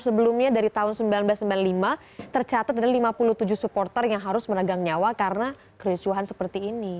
sebelumnya dari tahun seribu sembilan ratus sembilan puluh lima tercatat ada lima puluh tujuh supporter yang harus menegang nyawa karena kericuhan seperti ini